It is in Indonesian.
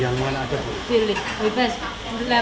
yang mana aja boleh